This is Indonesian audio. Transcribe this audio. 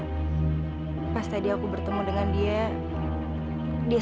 hunter alami reviewers sayang klinikimu